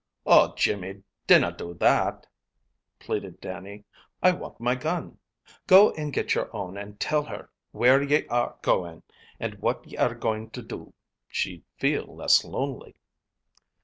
"Oh, Jimmy, dinna do that!" pleaded Dannie. "I want my gun. Go and get your own, and tell her where ye are going and what ye are going to do. She'd feel less lonely."